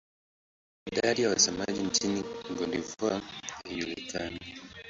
Idadi ya wasemaji nchini Cote d'Ivoire haijulikani.